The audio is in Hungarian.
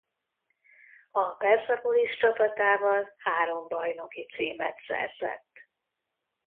A Persepolis csapatával három bajnoki címet szerzett.